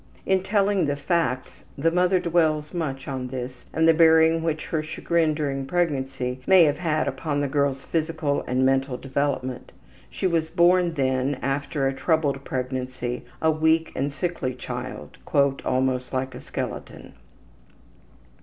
In telling the facts, the mother dwells much on this and the bearing which her chagrin during pregnancy may have had upon the girl's physical and mental development. She was born, then, after a troubled pregnancy, a weak and sickly child, ``almost like a skeleton.''